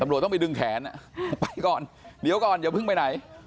ตำรวจต้องไปดึงแขนไปก่อนเดี๋ยวก่อนอย่าเพิ่งไปไหน